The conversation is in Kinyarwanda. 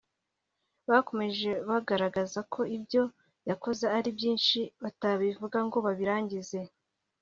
Bakomeje bagaragaza ko ibyo yakoze ari byinshi batabivuga ngo babirangize